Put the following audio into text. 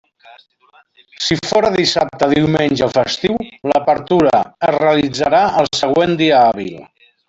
Si fóra dissabte, diumenge o festiu, l'apertura es realitzarà el següent dia hàbil.